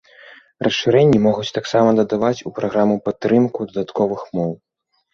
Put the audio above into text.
Расшырэнні могуць таксама дадаваць у праграму падтрымку дадатковых моў.